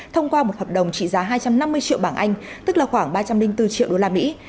thông qua một hợp đồng trị giá hai trăm năm mươi triệu bảng anh tức là khoảng ba trăm linh bốn triệu đô la mỹ